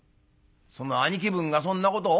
「その兄貴分がそんなことを？